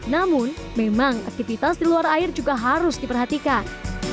namun memang aktivitas di luar air juga harus diperhatikan